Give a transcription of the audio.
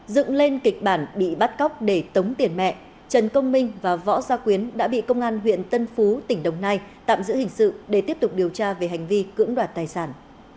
dựng lên kịch bản bị bắt cóc để tống tiền mẹ trần công minh và võ gia quyến đã bị công an huyện tân phú tỉnh đồng nai tạm giữ hình sự để tiếp tục điều tra về hành vi cưỡng đoạt tài sản